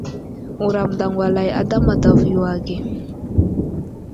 Wuram daŋgwalay ada a matavo yo age.